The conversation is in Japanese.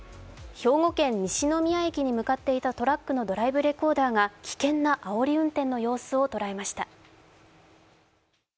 兵庫県西宮駅に向かっていたトラックのドライブレコーダーが危険なあおり運転の様子を捉えました。